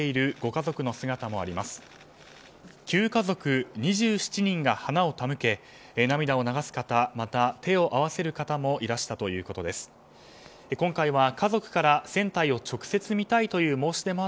９家族２７人が花を手向け涙を流す方、手を合わせる方もいらしたということです。